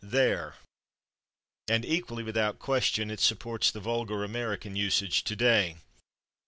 And equally without question it supports the vulgar American usage today.